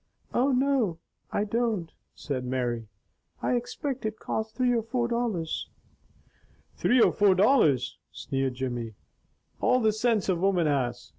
"Oh, no I don't!" said Mary. "I expect it cost three or four dollars." "Three or four dollars," sneered Jimmy. "All the sinse a woman has!